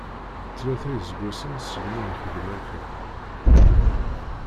Tlata iseggasen segmi nxeddem akka.